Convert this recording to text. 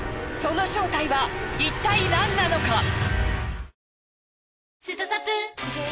その正体はいったい何なのか？